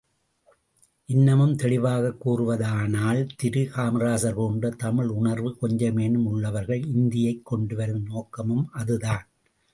இன்னமும் தெளிவாகக் கூறுவதானால், திரு காமராசர் போன்ற தமிழுணர்வு கொஞ்சமேனும் உள்ளவர்கள், இந்தியைக் கொண்டுவரும் நோக்கமும் அதுதான்.